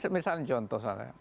misalnya contoh saja